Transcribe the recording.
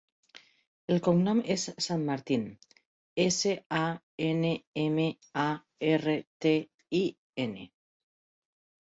El cognom és Sanmartin: essa, a, ena, ema, a, erra, te, i, ena.